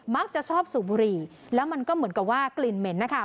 มักจะชอบสูบบุหรี่แล้วมันก็เหมือนกับว่ากลิ่นเหม็นนะคะ